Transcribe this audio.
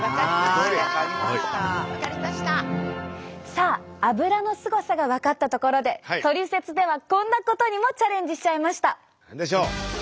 さあアブラのすごさが分かったところでトリセツではこんなことにもチャレンジしちゃいました。